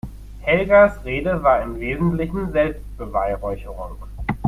Helgas Rede war im Wesentlichen Selbstbeweihräucherung.